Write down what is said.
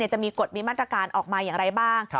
จะมีกฎมีมาตรการออกมาอย่างไรบ้าง